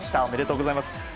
おめでとうございます。